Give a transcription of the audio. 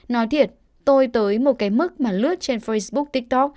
nói thiệt tôi tới một cái mức mà lướt trên facebook tiktok